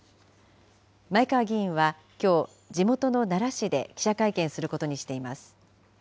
前川議員はきょう、地元の奈良市で記者会見することにしています。